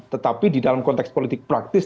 tetapi di dalam konteks politik praktis